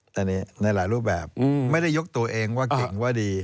แต่ในหลายรูปแบบไม่ได้ยกตัวเองว่าเก่งว่าดี